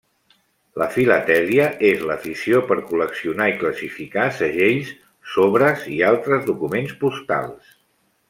La filatèlia és l'afició per col·leccionar i classificar segells, sobres i altres documents postals.